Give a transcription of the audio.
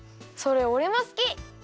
それおれもすき。